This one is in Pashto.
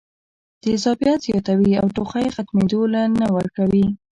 تېزابيت زياتوي او ټوخی ختمېدو له نۀ ورکوي